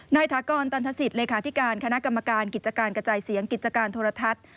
ถากรตันทศิษย์เลขาธิการคณะกรรมการกิจการกระจายเสียงกิจการโทรทัศน์